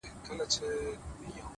له دې نه مخكي چي ته ما پرېږدې ـ